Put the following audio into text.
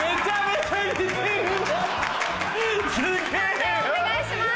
判定お願いします。